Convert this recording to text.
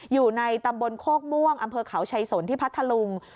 อยู่ในตำบลโคกม่วงอำเภอเขาชัยสนที่พัทธลุง